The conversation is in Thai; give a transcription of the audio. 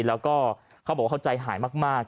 แล้วก็เขาบอกว่าเขาใจหายมาก